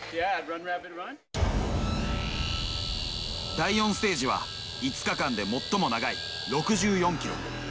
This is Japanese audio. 第４ステージは５日間で最も長い６４ｋｍ。